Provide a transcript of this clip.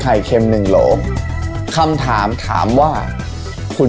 กาญเข้ม๑โลกรัม๑โลกรัมก็๑๒